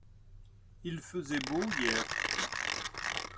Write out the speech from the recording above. Il faisait beau hier.